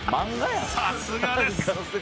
さすがです！